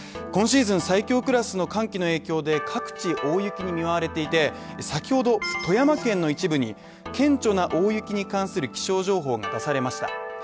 今シーズン最強クラスの寒気の影響で各地、大雪に見舞われていて先ほど富山県の一部に顕著な大雪に関する気象情報が出されました。